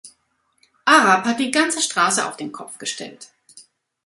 Arab hat die ganze Straße auf den Kopf gestellt.